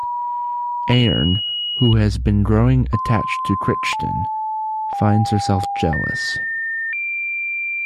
Aeryn, who has been growing attached to Crichton, finds herself jealous.